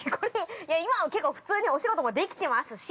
今は、結構普通にお仕事もできてますし。